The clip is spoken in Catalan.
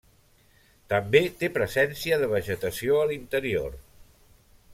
També té presència de vegetació a l'interior.